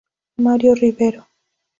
Mario Rivero.